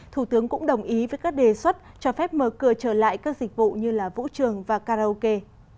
thủ tướng cũng đồng ý với các đề xuất cho phép mở cửa trở lại các dịch vụ như vũ trường và karaoke